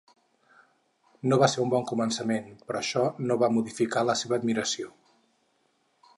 No va ser un bon començament, però això no va modificar la meva admiració.